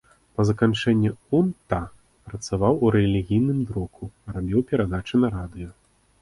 Па заканчэнні ўн-та працаваў у рэлігійным друку, рабіў перадачы на радыё.